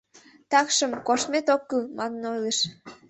Такшым «коштмет ок кӱл» манын ойлыш.